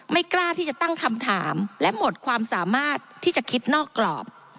กล้าที่จะตั้งคำถามและหมดความสามารถที่จะคิดนอกกรอบ